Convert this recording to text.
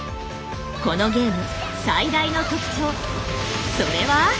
このゲーム最大の特徴それは。